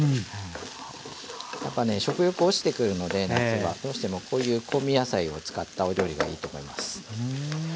やっぱね食欲落ちてくるので夏はどうしてもこういう香味野菜を使ったお料理がいいと思います。